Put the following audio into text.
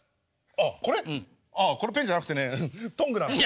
ああこれペンじゃなくてねトングなんです。